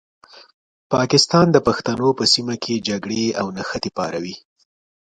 پاکستان د پښتنو په سیمه کې جګړې او نښتې پاروي.